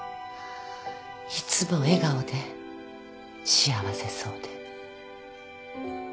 いつも笑顔で幸せそうで。